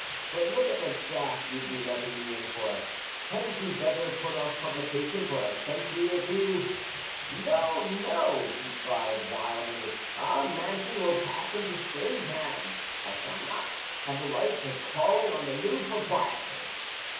"But look at the chaff you'd be letting me in for. Hadn't you better put off publication for a century or two?" "No, no," he cried wildly; "our mansion will pass into strange hands. I shall not have the right of calling on the new proprietors."